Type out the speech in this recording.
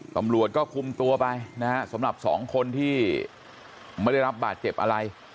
ตำรวจก็คุมตัวไปนะฮะสำหรับสองคนที่ไม่ได้รับบาดเจ็บอะไร